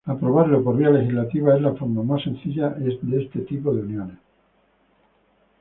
Aprobarlo por vía legislativa es la forma más sencilla este tipo de uniones.